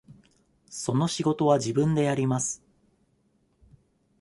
その仕事は自分でやります。